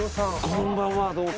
こんばんは。